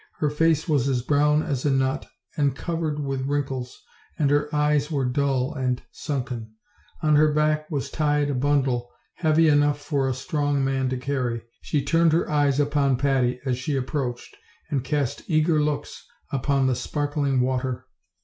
Her face was as brown as a nut and covered with wrinkles, and her eyes were dull and sunken. On her back was tied a bundle, heavy enough for a strong man to carry. She turned her eyes upon Patty as she ap proached, and cast eager looks upon the sparkling water OLD, OLD FAIET TALES.